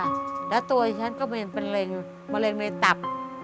อายุ๗๑ค่ะแล้วตัวฉันก็เป็นมะเร็งมะเร็งในตับ